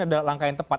ada langkah yang tepat